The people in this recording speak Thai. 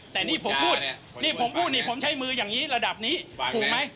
แต่นี่ผมพูดนี่ผมพูดนี่ผมใช้มืออย่างนี้ระดับนี้ถูกไหม